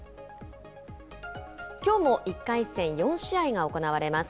きょうも１回戦４試合が行われます。